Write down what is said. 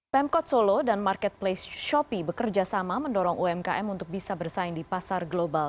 pemkot solo dan marketplace shopee bekerjasama mendorong umkm untuk bisa bersaing di pasar global